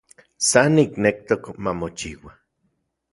San niknektok mamochiua